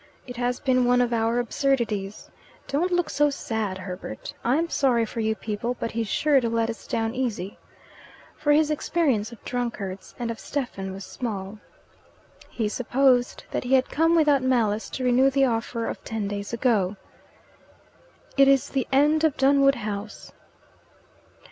It has been one of our absurdities. Don't look so sad, Herbert. I'm sorry for you people, but he's sure to let us down easy." For his experience of drunkards and of Stephen was small. He supposed that he had come without malice to renew the offer of ten days ago. "It is the end of Dunwood House."